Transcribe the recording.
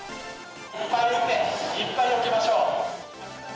いっぱい打って、いっぱいよけましょう。